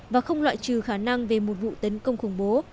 và không loại trừ khả năng về một vụ tấn công khủng bố